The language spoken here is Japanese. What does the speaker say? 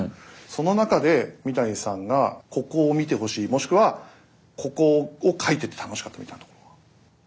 その中で三谷さんがここを見てほしいもしくはここを書いてて楽しかったみたいなところは？